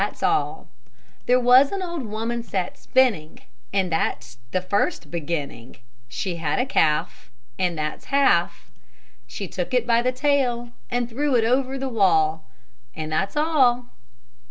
THAT'S ALL There was an old woman sat spinning, And that's the first beginning; She had a calf, And that's half; She took it by the tail, And threw it over the wall, And that's all!